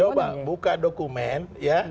coba buka dokumen ya